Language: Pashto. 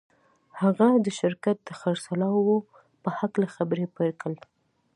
هغه د شرکت د خرڅلاو په هکله خبرې پیل کړې